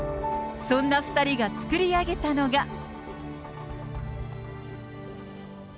そんな２人が作り上げたのが。